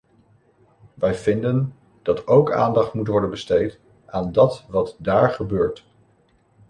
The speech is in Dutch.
Wij vinden dat ook aandacht moet worden besteed aan dat wat daar gebeurt.